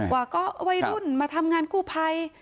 ว่าก็วัยรุ่นมาทำงานกู้ภัย